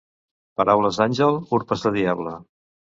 Paraules d'àngel, urpes de diable.